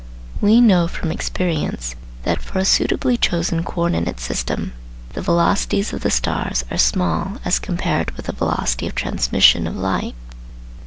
We know from experience that, for a suitably chosen co ordinate system, the velocities of the stars are small as compared with the velocity of transmission of light.